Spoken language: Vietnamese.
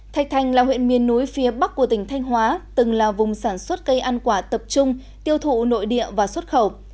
thạch thành là huyện miền núi phía bắc của tỉnh thanh hóa từng là vùng sản xuất cây ăn quả tập trung tiêu thụ nội địa và xuất khẩu